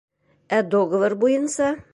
Ә договор буйынса...